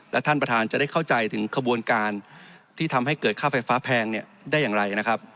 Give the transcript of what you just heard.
และท่านประธานจะได้เข้าใจถึงขบวนการที่ทำให้เกิดค่าไฟฟ้าแพงได้อย่างไรนะครับ